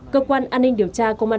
cơ quan an ninh điều tra công an